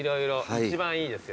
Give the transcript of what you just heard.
一番いいですよ